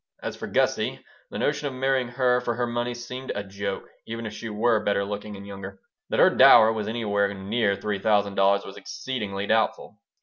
As for Gussie, the notion of marrying her for her money seemed a joke, even if she were better looking and younger. That her dower was anywhere near three thousand dollars was exceedingly doubtful.